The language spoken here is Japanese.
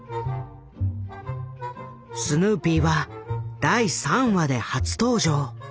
スヌーピーは第３話で初登場。